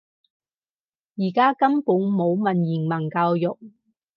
而家根本冇文言文教育